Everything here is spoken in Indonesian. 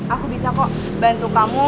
aku bisa kok bantu kamu